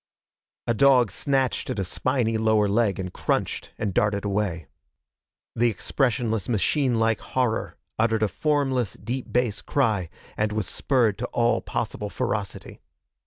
A dog snatched at a spiny lower leg and crunched and darted away. The expressionless, machine like horror uttered a formless, deep bass cry and was spurred to all possible ferocity.